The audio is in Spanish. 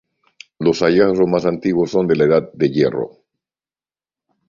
Los hallazgos más antiguos son de la edad de hierro.